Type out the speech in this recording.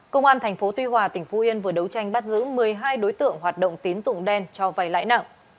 công an tp tuy hòa tỉnh phú yên vừa đấu tranh bắt giữ một mươi hai đối tượng hoạt động tín dụng đen cho vay lãi nặng